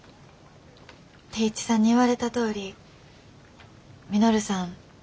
定一さんに言われたとおり稔さん